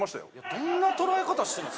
どんな捉え方してんの？